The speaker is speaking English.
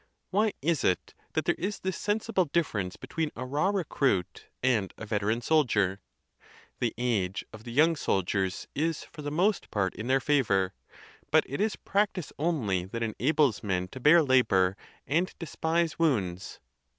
Why is it that there is this sensible difference between a raw recruit and a veteran soldier? The age of the young soldiers is for the most part in their favor; but it is practice only that enables men to bear labor and de spise wounds.